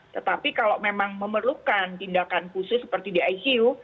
tetapi kalau memang memerlukan tindakan khusus seperti di icu